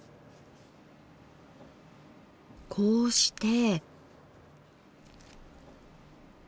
こうして。